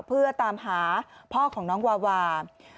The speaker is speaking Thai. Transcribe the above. เพื่อตามหาพ่อของน้องวาวา